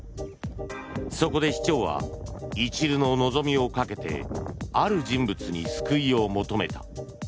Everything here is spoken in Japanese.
そこで市長は一縷の望みをかけてある人物に救いを求めた。